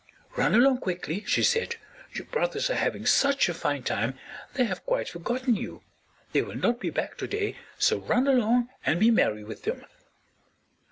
"Run along quickly," she said. "Your brothers are having such a fine time they have quite forgotten you; they will not be back today, so run along and be merry with them."